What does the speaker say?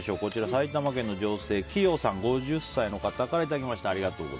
埼玉県、女性、５０歳の方からいただきました。